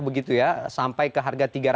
begitu ya sampai ke harga